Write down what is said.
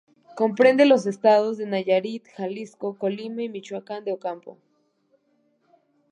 Comprende los estados de Nayarit, Jalisco, Colima y Michoacán de Ocampo.